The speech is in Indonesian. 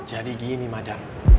jadi gini madem